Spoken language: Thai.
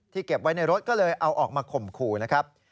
เก็บไว้ในรถก็เลยเอาออกมาข่มขู่นะครับ